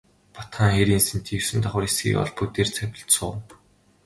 Бат хаан хээрийн сэнтий есөн давхар эсгий олбог дээр завилж суув.